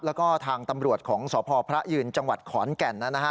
แล้วก็ทางตำรวจของสพญจังหวัดขอนแก่ล์นั้นนะ